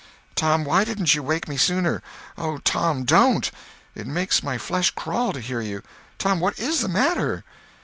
"Tom, why didn't you wake me sooner? Oh, Tom, don't! It makes my flesh crawl to hear you. Tom, what is the matter?"